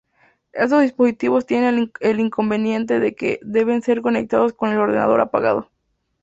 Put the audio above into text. Estos dispositivos tienen el inconveniente de que deben ser conectados con el ordenador apagado.